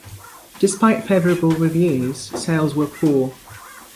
Despite favorable reviews, sales were poor.